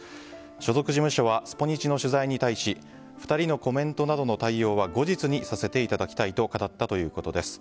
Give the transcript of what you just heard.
所属事務所はスポニチの取材に対し２人のコメントなどの対応は後日にさせていただきたいと語ったということです。